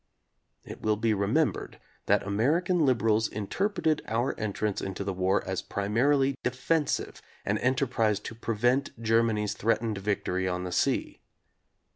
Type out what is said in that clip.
It will be remembered that American liberals in terpreted our entrance into the war as primarily defensive, an enterprise to prevent Germany's threatened victory on the sea.